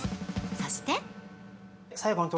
そして！